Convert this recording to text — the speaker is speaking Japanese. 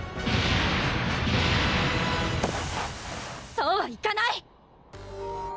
そうはいかない！